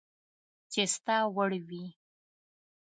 چي ستا وړ وي